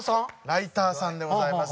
ライターさんでございます。